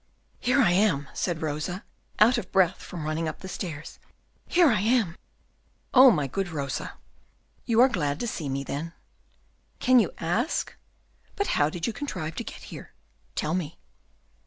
"Here I am," said Rosa, out of breath from running up the stairs, "here I am." "Oh, my good Rosa." "You are then glad to see me?" "Can you ask? But how did you contrive to get here? tell me."